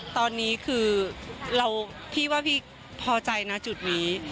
ตอนนี้คือพี่ว่าพี่พอใจนะจุดนี้